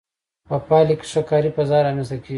په پایله کې ښه کاري فضا رامنځته کیږي.